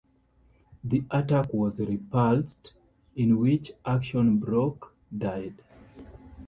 The attack was repulsed, in which action Brock died.